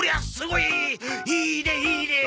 いいねいいね！